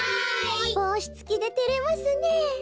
ぼうしつきでてれますねえ。